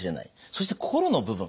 そして心の部分。